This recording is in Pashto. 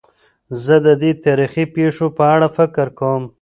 زه د دې تاریخي پېښو په اړه فکر کوم.